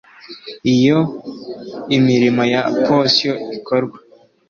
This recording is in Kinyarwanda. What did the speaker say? Iyo imirimo ya potion ikorwa